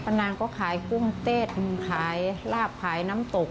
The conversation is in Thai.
นางก็ขายกุ้งเต้นขายลาบขายน้ำตก